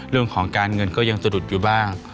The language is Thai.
เรื่องของการเงินก็ยังสะดุดอยู่บ้าง